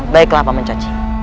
baiklah pak mencaci